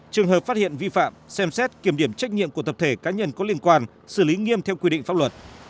trường hợp phát hiện vi phạm xem xét kiểm điểm trách nhiệm của tập thể cá nhân có liên quan xử lý nghiêm theo quy định pháp luật